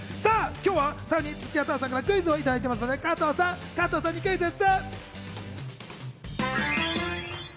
今日はさらに土屋太鳳さんからクイズをいただいてますので、クイズッス！